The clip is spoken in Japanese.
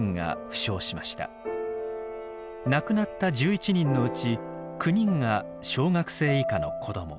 亡くなった１１人のうち９人が小学生以下の子ども。